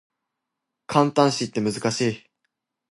感嘆詞って難しい